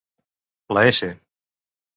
La S